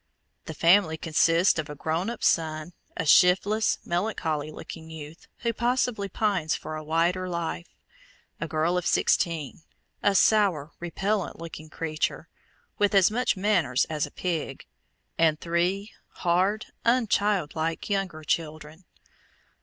The family consists of a grown up son, a shiftless, melancholy looking youth, who possibly pines for a wider life; a girl of sixteen, a sour, repellent looking creature, with as much manners as a pig; and three hard, un child like younger children.